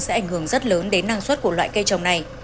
sẽ ảnh hưởng rất lớn đến năng suất của loại cây trồng này